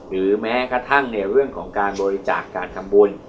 หรือแม้กระทั่งในเรื่องของการบริจาคการทำบุญ